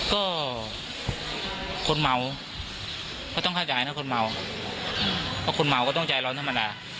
ก็คนเหมาก็ต้องคาดใจนะคนเหมาคนเหมาก็ต้องใจร้อนธรรมดา